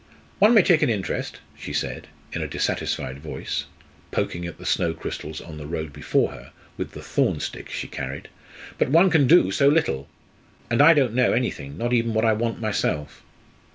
"One may take an interest," she said, in a dissatisfied voice, poking at the snow crystals on the road before her with the thorn stick she carried, "but one can do so little. And I don't know anything; not even what I want myself."